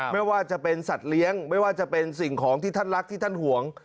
ไม่ว่าจะเป็นสัตว์เลี้ยงไม่ว่าจะเป็นสิ่งของที่ท่านรักที่ท่านห่วง